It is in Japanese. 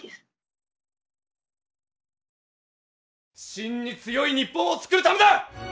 真に強い日本を作るためだ。